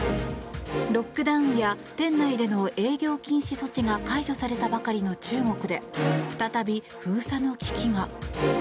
ロックダウンや店内での営業禁止措置が解除されたばかりの中国で再び封鎖の危機が。